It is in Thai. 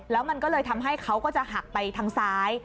แล้วมันก็เลยทำให้เขาก็จะหักไปทางซ้าย